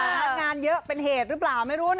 การงานเยอะเป็นเหตุหรือบ้าง